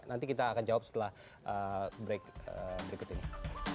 nanti kita akan jawab setelah break berikut ini